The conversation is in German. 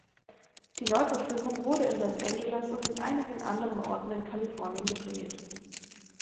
Die Neuverfilmung wurde in Los Angeles und in einigen anderen Orten in Kalifornien gedreht.